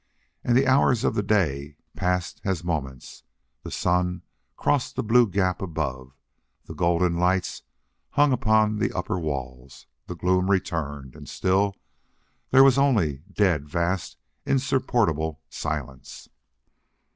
And the hours of the day passed as moments, the sun crossed the blue gap above, the golden lights hung on the upper walls, the gloom returned, and still there was only the dead, vast, insupportable silence.